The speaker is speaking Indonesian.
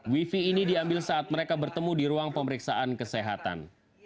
wifi ini diambil saat mereka bertemu di ruang pemeriksaan kesehatan